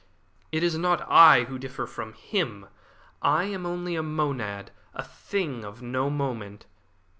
"It is not I who differ from him. I am only a monad a thing of no moment.